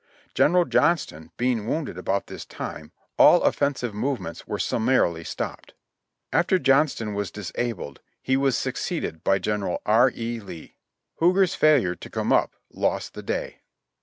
General Johnston being wounded about this time, all offensive movements were summarily stopped. After Johnston was disabled he was succeeded by General R. E. Lee. Huger's failure to come up lost the day.